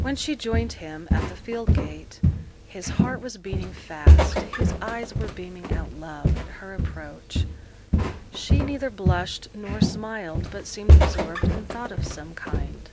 When she joined him at the field gate, his heart was beating fast, his eyes were beaming out love at her approach. She neither blushed nor smiled, but seemed absorbed in thought of some kind.